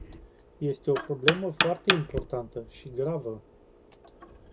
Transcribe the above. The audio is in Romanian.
Este o problemă foarte importantă și gravă.